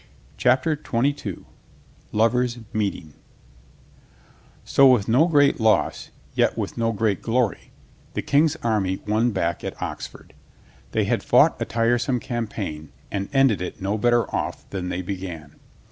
CHAPTER TWENTY TWO lovers' meeting O O WITH no great loss, yet with no great glory, *^ the King's army won back to Oxford. They had fought a tiresome campaign and ended it no better off than they began.